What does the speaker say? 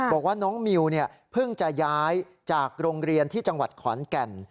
บอกว่าน้องมิวเพิ่งจะย้ายจากโรงเรียนที่จังหวัดขอนแก่น